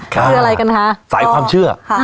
คืออะไรกันคะสายความเชื่อ